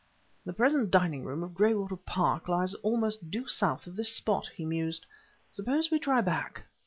"The present dining room of Graywater Park lies almost due south of this spot," he mused. "Suppose we try back."